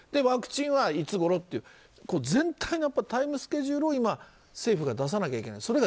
ワクチンはいつごろという全体のタイムスケジュールを今、政府が出さなきゃいけない。